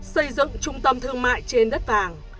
xây dựng trung tâm thương mại trên đất vàng